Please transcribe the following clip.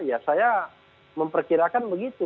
ya saya memperkirakan begitu